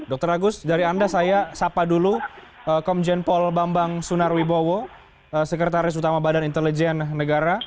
dr agus dari anda saya sapa dulu komjen pol bambang sunarwibowo sekretaris utama badan intelijen negara